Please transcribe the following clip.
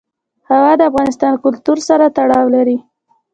هوا د افغان کلتور سره تړاو لري.